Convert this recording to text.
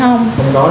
không có đúng không